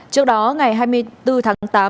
trước đó ngày hai mươi bốn tháng tám